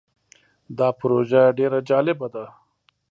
دا پروژه ډیر جالبه ده.